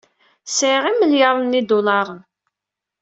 Sɛiɣ imelyaṛen n yidulaṛen.